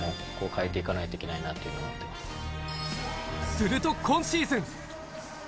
すると今シーズン。